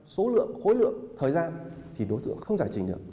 số lượng khối lượng thời gian thì đối tượng không giải trình được